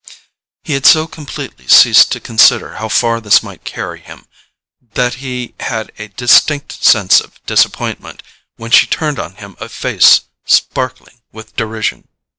He had so completely ceased to consider how far this might carry him, that he had a distinct sense of disappointment when she turned on him a face sparkling with derision.